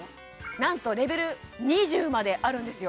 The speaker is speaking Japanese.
なんとレベル２０まであるんですよ